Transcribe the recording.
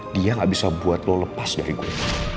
dia gak bisa buat lo lepas dari gue